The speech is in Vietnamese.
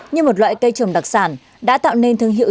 như một loại cây trồng đặc sản đã tạo nên thương hiệu